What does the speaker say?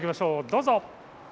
どうぞ。